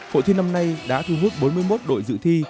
hội thi năm nay đã thu hút bốn mươi một đội dự thi